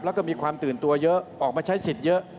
แล้วก็มีความตื่นตัวเยอะออกมาใช้สิทธิ์เยอะ